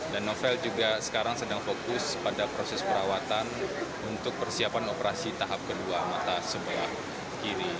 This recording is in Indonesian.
dan novel juga sekarang sedang fokus pada proses perawatan untuk persiapan operasi tahap kedua mata sebelah kiri